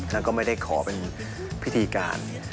แล้วก็ไม่ได้ขอเป็นพิธีการ